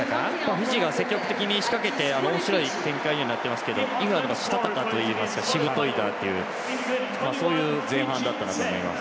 フィジー積極的に仕掛けておもしろい展開になったんですがイングランドがしたたかというかしぶといなというそういう前半だったと思います。